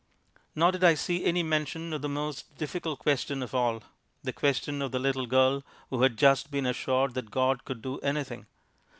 Nor did I see any mention of the most difficult question of all, the question of the little girl who had just been assured that God could do anything.